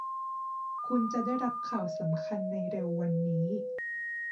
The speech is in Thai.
คุณจะได้รับข่าวสำคัญในเร็ววันนี้